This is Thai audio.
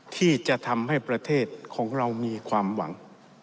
ที่จะทำให้ประเทศของเรามีความหวัง